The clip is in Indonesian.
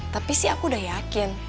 tapi sih aku udah yakin